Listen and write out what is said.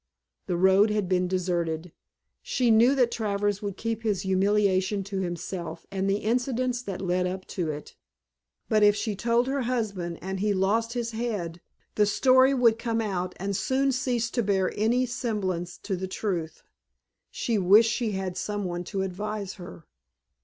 The road had been deserted. She knew that Travers would keep his humiliation to himself and the incidents that led up to it; but if she told her husband and he lost his head the story would come out and soon cease to bear any semblance to the truth. She wished she had some one to advise her.